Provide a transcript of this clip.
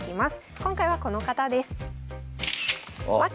今回はこの方です。